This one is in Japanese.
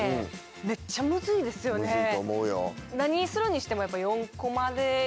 むずいと思うよ。